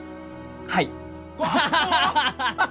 はい。